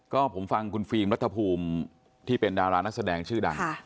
ก็ผมฟังคุณฟิล์มรัฐภูมิที่เป็นดารานักแสดงชื่อดัง